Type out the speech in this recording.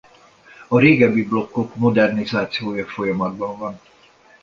A régebbi blokkok modernizációja folyamatban van.